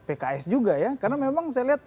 pks juga ya karena memang saya lihat